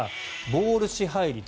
ボール支配率